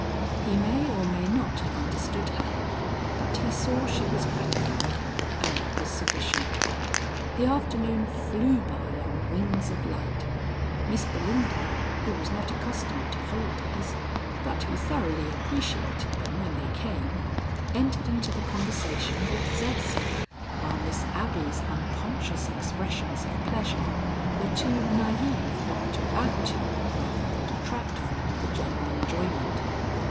He may or may not have understood her, but he saw she was gratified, and that was sufficient. The afternoon flew by on wings of light. Miss Belinda, who was not accustomed to holidays, but who thoroughly appreciated them when they came, entered into the conversation with zest; while Miss Abby's unconscious expressions of pleasure were too naïve not to add to, rather than detract from the general enjoyment.